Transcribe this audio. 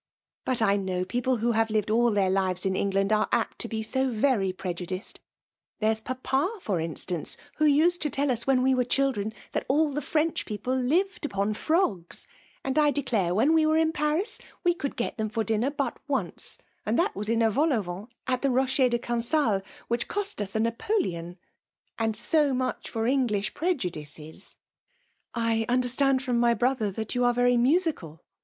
"But I know people who have lived all their 23d rEsc^^JE ocufUULTiaN; Kteft in England ace apt to be ao vefy pr^u*. diced ! There*6 ^^^^ for instance/ vfbo vsadL to tell us ^vhen we were children^ that all thd Frencli people lived upon frogs ; and I declare when I was in Paris we could get them for dinner but once; and that was in a vol au vent at the Eocher de Cancale, which <K)st us d' Napoleon : and &o much for English preju*^ dices !'" I understand from my brother that you' are very musical?